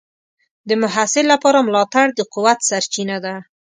د محصل لپاره ملاتړ د قوت سرچینه ده.